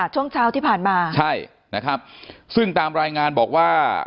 ช่วงเช้าที่ผ่านมาใช่นะครับซึ่งตามรายงานบอกว่า